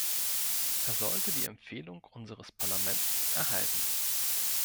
Er sollte die Empfehlung unseres Parlaments erhalten.